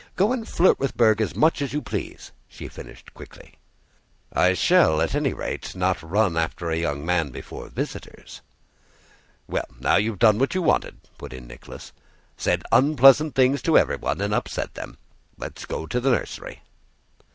Go and flirt with Berg as much as you please," she finished quickly. "I shall at any rate not run after a young man before visitors..." "Well, now you've done what you wanted," put in Nicholas—"said unpleasant things to everyone and upset them. Let's go to the nursery."